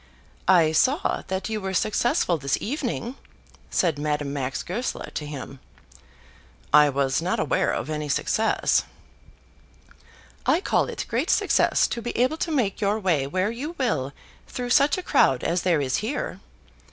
"I saw that you were successful this evening," said Madame Max Goesler to him. "I was not aware of any success." "I call it great success to be able to make your way where you will through such a crowd as there is here.